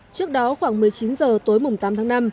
trước đó khoảng một mươi chín h tối tám tháng năm